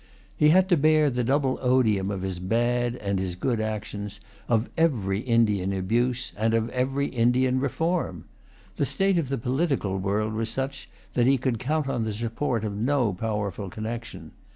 He had to bear the double odium of his bad and of his good actions, of every Indian abuse and of every Indian reform. The state of the political world was such that he could count on the support of no powerful connection.